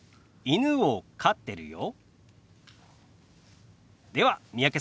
犬を飼ってるよ。